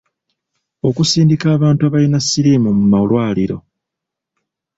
Okusindika abantu abalina siriimu mu malwaliro.